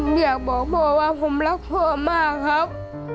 อยากบอกพ่อว่าผมรักพ่อมากครับ